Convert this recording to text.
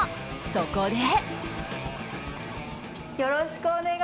そこで。